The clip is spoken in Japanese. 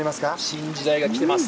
新時代が来てます。